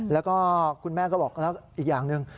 แล้วก็คุณแม่ก็บอกแล้วอีกอย่างหนึ่ง